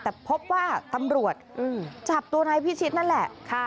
แต่พบว่าตำรวจจับตัวนายพิชิตนั่นแหละ